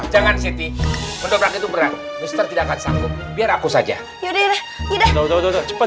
jangan siti mendobrak itu berat mr tidak akan sanggup biar aku saja yaudah cepet